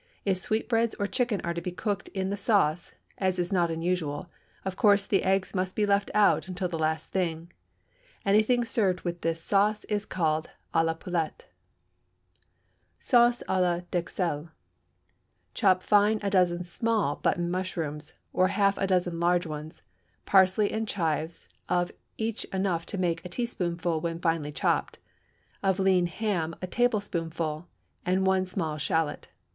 If sweetbreads or chicken are to be cooked in the sauce, as is not unusual, of course the eggs must be left out until the last thing. Anything served with this sauce is called à la poulette. Sauce à la d'Uxelles. Chop fine a dozen small button mushrooms, or half a dozen large ones; parsley and chives, of each enough to make a teaspoonful when finely chopped; of lean ham a tablespoonful, and one small shallot.